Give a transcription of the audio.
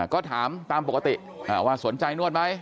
ก็ถามตามปกติว่าสนใจนวดไหม